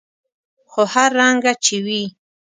خو هر رنګه چې وي.